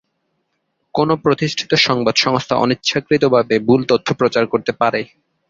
কোনও প্রতিষ্ঠিত সংবাদ সংস্থা অনিচ্ছাকৃতভাবে ভুল তথ্য প্রচার করতে পারে।